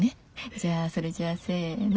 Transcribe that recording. じゃあそれじゃあせの。